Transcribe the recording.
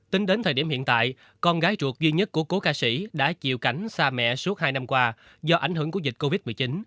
tính đến thời điểm hiện tại con gái ruột duy nhất của cố ca sĩ đã chịu cảnh xa mẹ suốt hai năm qua do ảnh hưởng của dịch covid một mươi chín